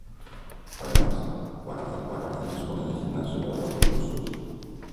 Además, la cárcel dispone de gimnasio para los reclusos.